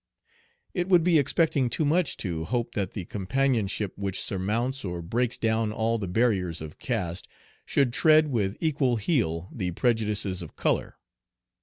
It would be expecting too much to hope that the companionship which surmounts or breaks down all the barriers of caste, should tread with equal heel the prejudices of color.